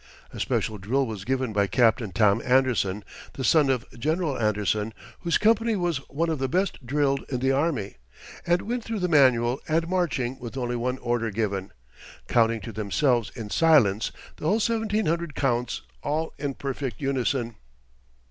A special drill was given by Captain Tom Anderson the son of General Anderson whose company was one of the best drilled in the army, and went through the manual and marching with only one order given, counting to themselves in silence the whole seventeen hundred counts, all in perfect unison.